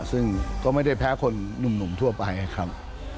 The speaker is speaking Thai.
ซึ่งก็ไม่ได้แพ้คนหนุ่มทั่วไปครับ